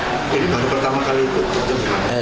jadi baru pertama kali itu